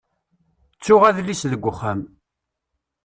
Ttuɣ adlis deg uxxam.